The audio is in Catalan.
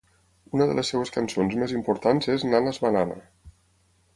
Una de les seves cançons més importants és Nanas Banana.